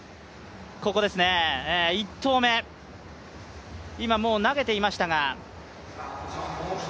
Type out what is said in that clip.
１投目、今、もう投げていましたが。